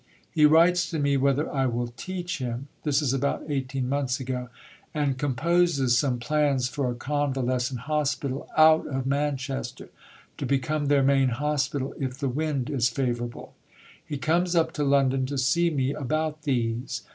He writes to me whether I will teach him (this is about 18 months ago), and composes some plans for a Convalescent Hospital out of Manchester, to become their main Hospital if the wind is favourable. He comes up to London to see me about these.